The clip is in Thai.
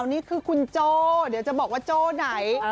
นี่คือคุณโจ้เดี๋ยวจะบอกว่าโจ้ไหน